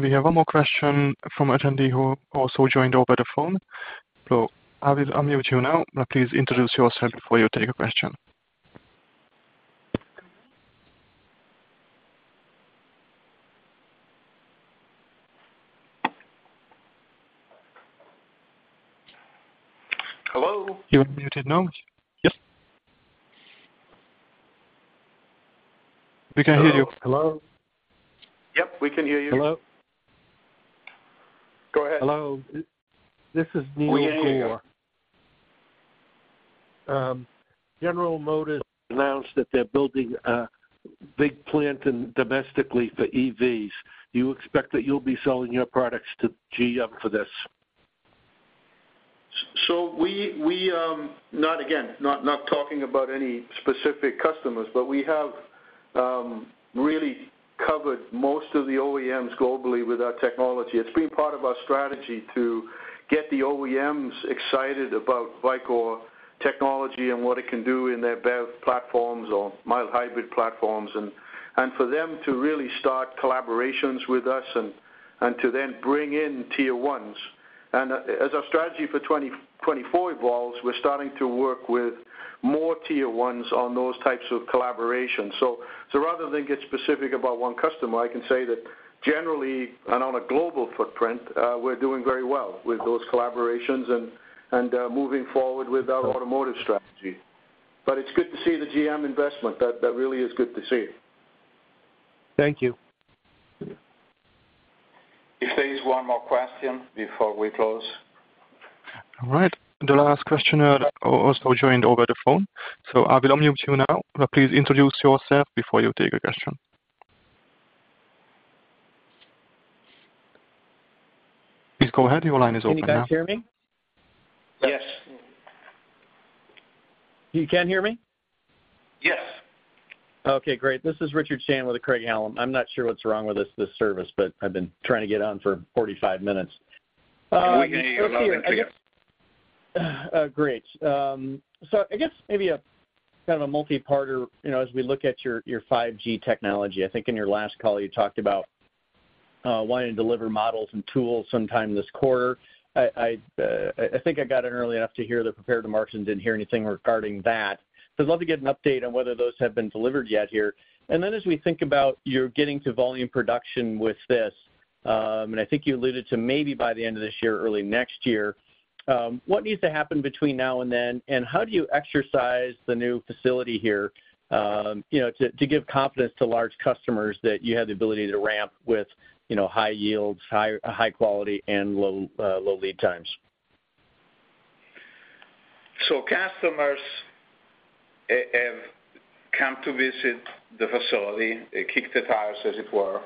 [SPEAKER 1] We have one more question from an attendee who also joined over the phone. I will unmute you now. Please introduce yourself before you take a question.
[SPEAKER 3] Hello?
[SPEAKER 1] You're unmuted now. Yes? We can hear you.
[SPEAKER 10] Hello?
[SPEAKER 2] Yep. We can hear you.
[SPEAKER 10] Hello?
[SPEAKER 2] Go ahead.
[SPEAKER 10] Hello. This is Neil Gore. General Motors announced that they're building a big plant domestically for EVs. Do you expect that you'll be selling your products to GM for this?
[SPEAKER 4] So again, not talking about any specific customers. We have really covered most of the OEMs globally with our technology. It's been part of our strategy to get the OEMs excited about Vicor technology and what it can do in their BEV platforms or mild-hybrid platforms. For them to really start collaborations with us and to then bring in tier ones. As our strategy for 2024 evolves, we're starting to work with more tier ones on those types of collaborations. Rather than get specific about one customer, I can say that generally and on a global footprint, we're doing very well with those collaborations and moving forward with our automotive strategy. It's good to see the GM investment. That really is good to see.
[SPEAKER 10] Thank you.
[SPEAKER 2] If there is one more question before we close.
[SPEAKER 1] All right. The last questioner also joined over the phone. So I will unmute you now. Please introduce yourself before you take a question. Please go ahead. Your line is open now.
[SPEAKER 11] Can you guys hear me?
[SPEAKER 2] Yes.
[SPEAKER 11] You can hear me?
[SPEAKER 2] Yes.
[SPEAKER 11] Okay. Great. This is Richard Shannon with Craig-Hallum. I'm not sure what's wrong with this service. But I've been trying to get on for 45 minutes.
[SPEAKER 2] We can hear you. I guess.
[SPEAKER 11] Okay. Great. So I guess maybe kind of a multiparter as we look at your 5G technology. I think in your last call, you talked about wanting to deliver models and tools sometime this quarter. I think I got in early enough to hear the prepared remarks and didn't hear anything regarding that. So I'd love to get an update on whether those have been delivered yet here. And then as we think about your getting to volume production with this - and I think you alluded to maybe by the end of this year, early next year - what needs to happen between now and then? And how do you exercise the new facility here to give confidence to large customers that you have the ability to ramp with high yields, high quality, and low lead times?
[SPEAKER 4] So customers have come to visit the facility, kicked the tires, as it were.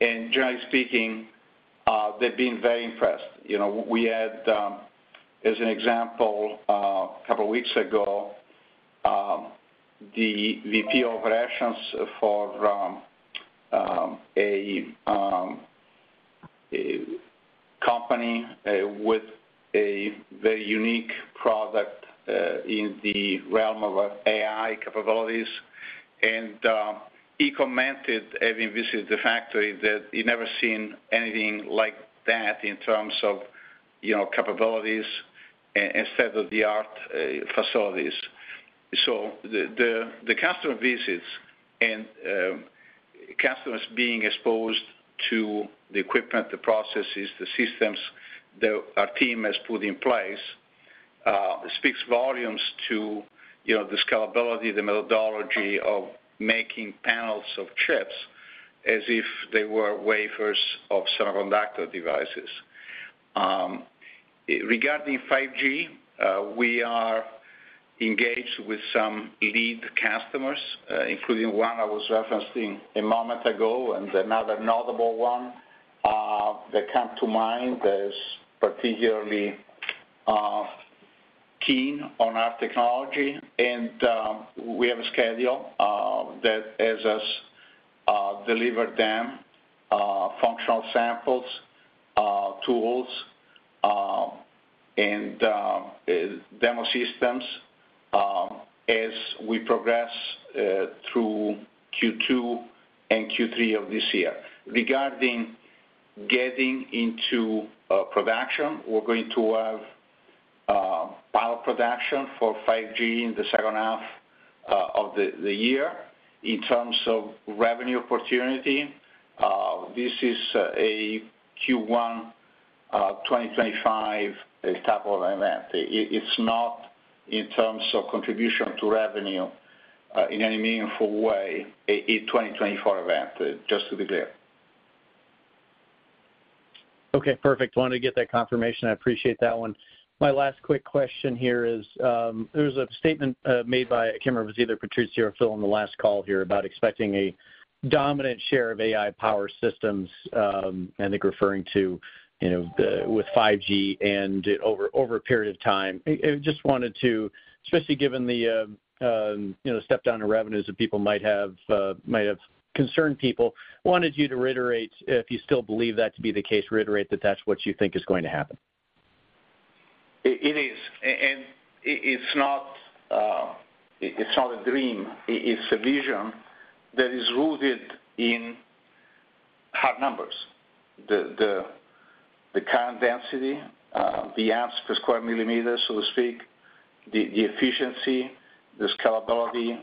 [SPEAKER 4] And generally speaking, they've been very impressed. We had, as an example, a couple of weeks ago, the VP operations for a company with a very unique product in the realm of AI capabilities. And he commented, having visited the factory, that he'd never seen anything like that in terms of capabilities and state-of-the-art facilities. So the customer visits and customers being exposed to the equipment, the processes, the systems that our team has put in place speaks volumes to the scalability, the methodology of making panels of chips as if they were wafers of semiconductor devices. Regarding 5G, we are engaged with some lead customers, including one I was referencing a moment ago and another notable one that comes to mind that is particularly keen on our technology. We have a schedule that has us deliver them functional samples, tools, and demo systems as we progress through Q2 and Q3 of this year. Regarding getting into production, we're going to have pilot production for 5G in the second half of the year in terms of revenue opportunity. This is a Q1 2025 type of event. It's not in terms of contribution to revenue in any meaningful way, a 2024 event, just to be clear.
[SPEAKER 11] Okay. Perfect. Wanted to get that confirmation. I appreciate that one. My last quick question here is there was a statement made by I can't remember if it was either Patrizio or Phil on the last call here about expecting a dominant share of AI power systems. And I think referring to with 5G and over a period of time. I just wanted to, especially given the stepdown in revenues that people might have concerned people, wanted you to reiterate, if you still believe that to be the case, reiterate that that's what you think is going to happen.
[SPEAKER 4] It is. And it's not a dream. It's a vision that is rooted in hard numbers: the current density, the amps per square millimeter, so to speak, the efficiency, the scalability,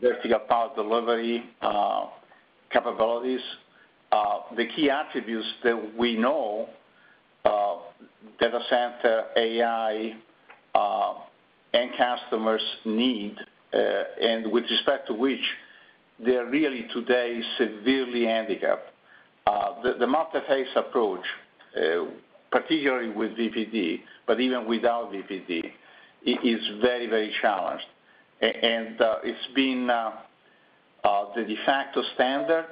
[SPEAKER 4] Vertical Power Delivery capabilities. The key attributes that we know data center, AI, and customers need and with respect to which they're really today severely handicapped. The multiphase approach, particularly with VPD but even without VPD, is very, very challenged. And it's been the de facto standard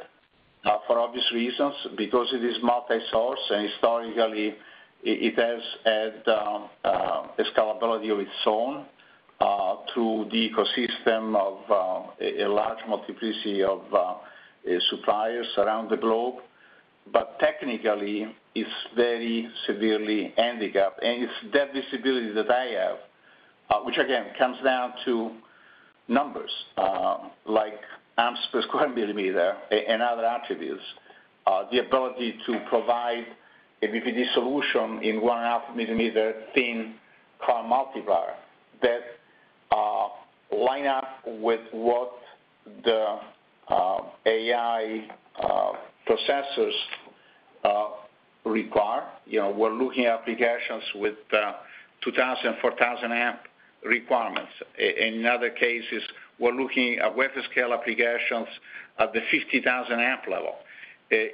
[SPEAKER 4] for obvious reasons because it is multi-source. And historically, it has had a scalability of its own through the ecosystem of a large multiplicity of suppliers around the globe. But technically, it's very severely handicapped. It's that visibility that I have, which again comes down to numbers like amps per square millimeter and other attributes, the ability to provide a VPD solution in 1.5 mm thin current multiplier that line up with what the AI processors require. We're looking at applications with 2,000-, 4,000-amp requirements. In other cases, we're looking at wafer-scale applications at the 50,000-amp level.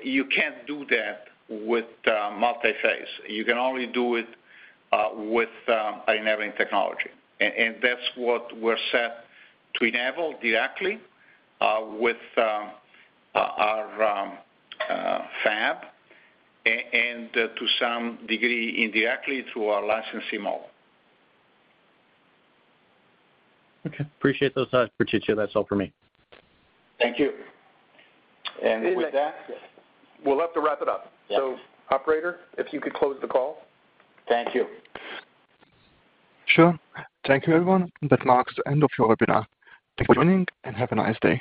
[SPEAKER 4] You can't do that with multiphase. You can only do it with enabling technology. And that's what we're set to enable directly with our fab and to some degree indirectly through our licensing model.
[SPEAKER 11] Okay. Appreciate those sides, Patrizio. That's all from me.
[SPEAKER 4] Thank you. With that.
[SPEAKER 2] We'll have to wrap it up. So operator, if you could close the call.
[SPEAKER 11] Thank you.
[SPEAKER 1] Sure. Thank you, everyone. That marks the end of your webinar. Thanks for joining, and have a nice day.